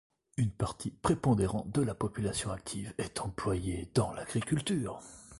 Une partie prépondérante de la population active est employée dans l'agriculture.